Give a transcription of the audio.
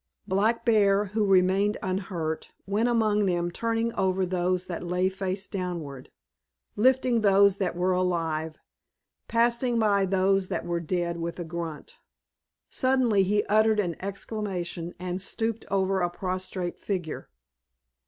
Black Bear, who remained unhurt, went among them turning over those that lay face downward, lifting those that were alive, passing by those that were dead with a grunt. Suddenly he uttered an exclamation and stooped over a prostrate figure.